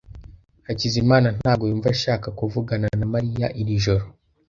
Hakizimana ntabwo yumva ashaka kuvugana na Mariya iri joro.